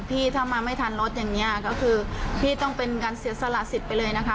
พี่ถ้ามาไม่ทันรถอย่างนี้ก็คือพี่ต้องเป็นการเสียสละสิทธิ์ไปเลยนะคะ